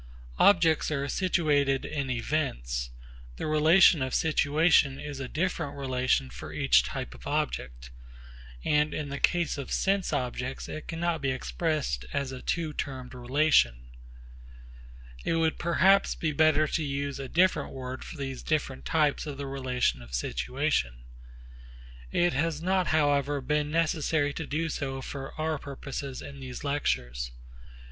Objects are situated in events. The relation of situation is a different relation for each type of object, and in the case of sense objects it cannot be expressed as a two termed relation. It would perhaps be better to use a different word for these different types of the relation of situation. It has not however been necessary to do so for our purposes in these lectures.